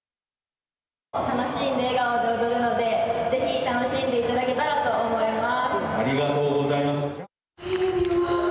楽しい笑顔で踊るのでぜひ楽しんでいただけたらと思います。